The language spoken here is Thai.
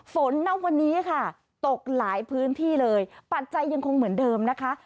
ณวันนี้ค่ะตกหลายพื้นที่เลยปัจจัยยังคงเหมือนเดิมนะคะ